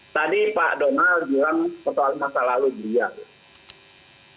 tadi pak donald bilang persoalan masa lalu beliau